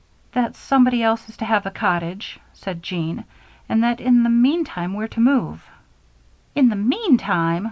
"That somebody else is to have the cottage," said Jean, "and that in the meantime we're to move." "In the meantime!"